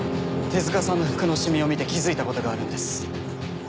手塚さんの服の染みを見て気付いたことがあるんです。